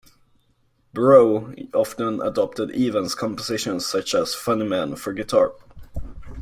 Breau often adapted Evans's compositions, such as "Funny Man", for guitar.